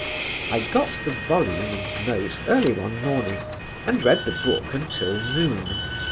I got the volume and note early one morning and read the book until noon.